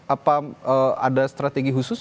apa ada strategi khusus